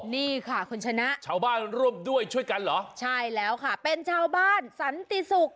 นี่ค่ะคุณชนะชาวบ้านร่วมด้วยช่วยกันเหรอใช่แล้วค่ะเป็นชาวบ้านสันติศุกร์